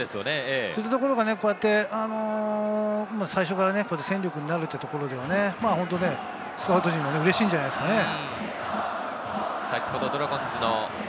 そういったところが戦力になるというところではスカウト陣もうれしいんじゃないですかね。